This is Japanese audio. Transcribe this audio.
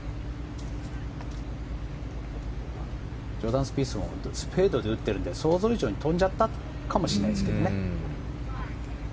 ジョーダン・スピースもフェードで打ってるので想像以上に飛んじゃったかもしれないですけどね。